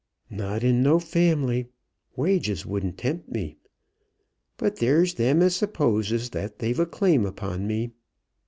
"Not in no family. Wages wouldn't tempt me. But there's them as supposes that they've a claim upon me."